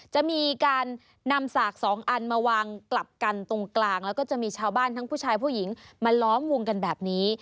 จะมีการนำสากสองอันมาวางกลับกันตรงกลางแล้วก็จะมีชาวบ้านทั้งผู้ชายผู้หญิงมาล้อมวงกันแบบนี้